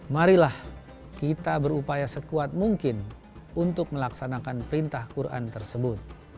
marilah kita berupaya sekuat mungkin untuk melaksanakan perintah quran tersebut